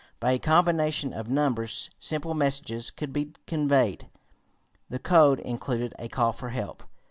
By a combination of numbers, simple messages could be conveyed. The code included a call for help.